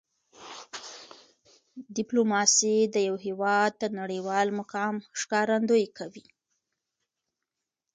ډیپلوماسي د یو هېواد د نړیوال مقام ښکارندویي کوي.